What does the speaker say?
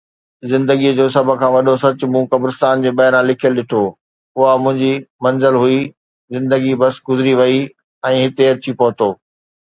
زندگيءَ جو سڀ کان وڏو سچ مون قبرستان جي ٻاهران لکيل ڏٺو. اها منهنجي منزل هئي، زندگي بس گذري وئي ۽ هتي اچي پهتو